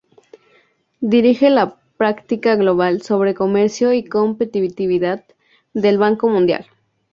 Dirige la Práctica Global sobre Comercio y Competitividad del Banco Mundial.